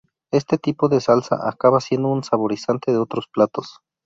Este tipo de salsa acaba siendo un saborizante de otros platos.